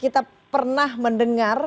kita pernah mendengar